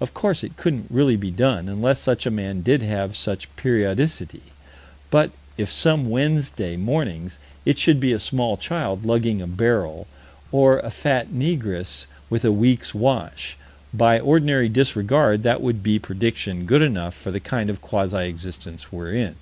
Of course it couldn't really be done, unless such a man did have such periodicity, but if some Wednesday mornings it should be a small child lugging a barrel, or a fat negress with a week's wash, by ordinary disregard that would be prediction good enough for the kind of quasi existence we're in.